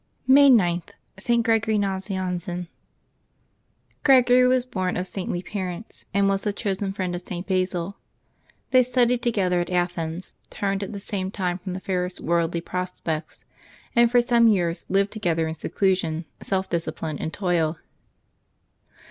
May 9.— ST. GREGORY NAZIANZEN. eREGORY was born of saintly parents, and was the chosen friend of St. Basil. They studied together at Athens, turned at the same time from the fairest worldly prospects, and for some years lived together in seclusion, self discipline, and toil.